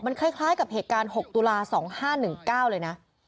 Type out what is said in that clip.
คล้ายกับเหตุการณ์๖ตุลา๒๕๑๙เลยนะ